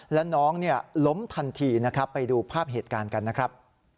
แล้วน้องล้มทันทีนะครับไปดูภาพเหตุการณ์กันนะครับ